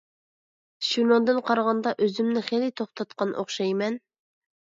شۇنىڭدىن قارىغاندا ئۆزۈمنى خېلى توختاتقان ئوخشايمەن.